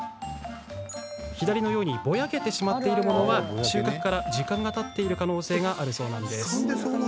左のように、ぼやけているものは収穫から、時間がたっている可能性があるそう。